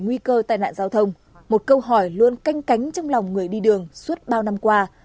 cùng với những nỗi lo về nguy cơ tai nạn giao thông một câu hỏi luôn canh cánh trong lòng người đi đường suốt bao năm qua